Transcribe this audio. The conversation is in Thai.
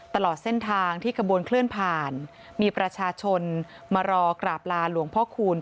ตลอดเส้นทางที่ขบวนเคลื่อนผ่านมีประชาชนมารอกราบลาหลวงพ่อคูณ